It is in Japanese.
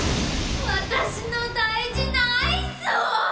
私の大事なアイスを！